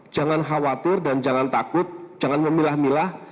jangan khawatir dan jangan takut jangan memilah milah